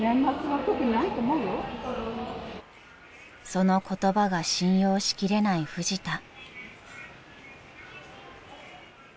［その言葉が信用しきれないフジタ］